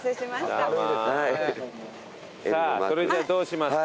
さぁそれじゃあどうしますか？